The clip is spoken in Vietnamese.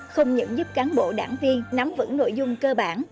không những giúp cán bộ đảng viên nắm vững nội dung cơ bản